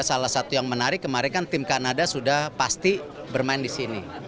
salah satu yang menarik kemarin kan tim kanada sudah pasti bermain di sini